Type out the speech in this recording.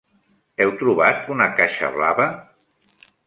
Heu trobat una caixa blava?